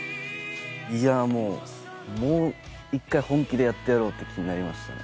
いやもうもう一回本気でやってやろうって気になりましたね。